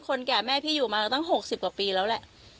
แก่แม่พี่อยู่มาตั้ง๖๐กว่าปีแล้วแหละ